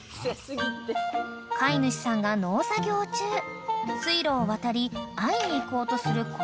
［飼い主さんが農作業中水路を渡り会いに行こうとするこまめ］